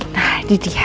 nah ini dia